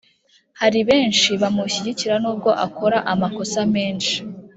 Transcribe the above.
Haribenshi bamushyigikira nubwo akora amakosa menshi